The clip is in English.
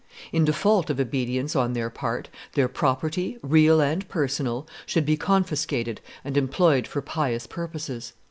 In default of obedience on their part, their property, real and personal, should be confiscated and employed for pious purposes.